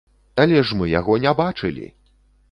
Але ж мы яго не бачылі!